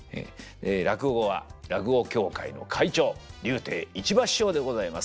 落語は落語協会の会長柳亭市馬師匠でございます。